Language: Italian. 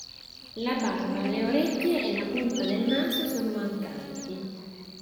La barba, le orecchie e la punta del naso sono mancanti.